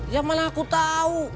ya mana aku tahu